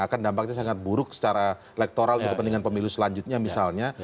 akan dampaknya sangat buruk secara elektoral untuk kepentingan pemilu selanjutnya misalnya